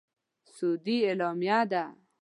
سعودي اسلامه دی.